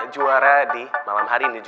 juara di malam hari ini